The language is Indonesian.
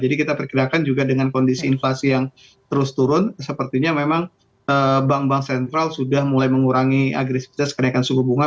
jadi kita perkirakan juga dengan kondisi inflasi yang terus turun sepertinya memang bank bank sentral sudah mulai mengurangi agresivitas kenaikan suku bunga